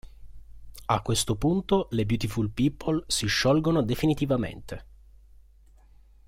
A questo punto le Beautiful People si sciolgono definitivamente.